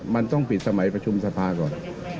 มันต้องปิดสมัยประชุมสภาก่อน